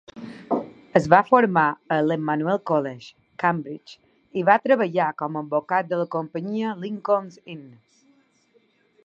Es va formar a l"Emmanuel College, Cambridge, i va treballar com advocat de la companyia Lincoln's Inn.